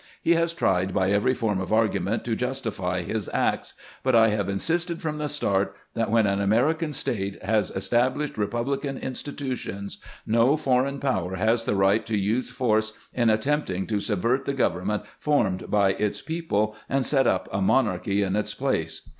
He has tried by every form of argument to justify his acts; but I have insisted from the start that when an American state has established republican institutions, no foreign power has the right to use force in attempt ing to subvert the government formed by its people and set up a monarchy in its place.